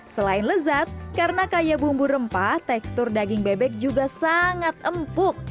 selain lezat karena kaya bumbu rempah tekstur daging bebek juga sangat empuk